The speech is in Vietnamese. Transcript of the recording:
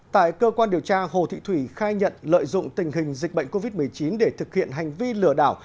tại cơ quan điều tra hồ thị thủy khai nhận lợi dụng tình hình dịch bệnh covid một mươi chín để thực hiện hành vi lừa đảo